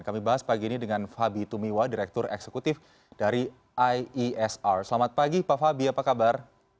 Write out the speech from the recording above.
kami bahas pagi ini dengan fabi tumiwa direktur eksekutif dari iesr selamat pagi pak fabi apa kabar